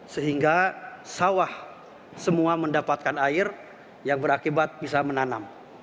sehingga sawah semua mendapatkan air yang berakibat bisa menanam